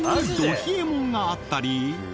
冷えもんがあったり